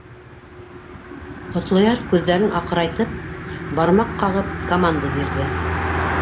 — Ҡотлояр күҙҙәрен аҡырайтып, бармаҡ ҡағып команда бирҙе.